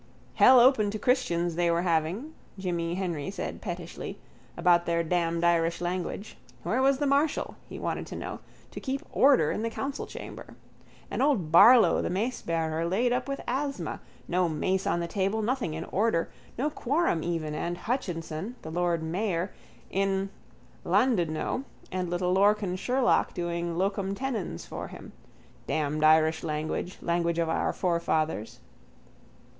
Hell open to christians they were having, Jimmy Henry said pettishly, about their damned Irish language. Where was the marshal, he wanted to know, to keep order in the council chamber. And old Barlow the macebearer laid up with asthma, no mace on the table, nothing in order, no quorum even, and Hutchinson, the lord mayor, in Llandudno and little Lorcan Sherlock doing locum tenens for him. Damned Irish language, language of our forefathers.